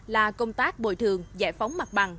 là công tác bồi thường giải phóng mặt bằng